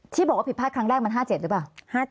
ที่บอกว่าผิดพลาดครั้งแรกมัน๕๗หรือเปล่า